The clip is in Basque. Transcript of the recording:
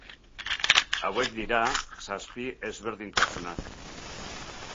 Hauek dira zazpi ezberdintasunak.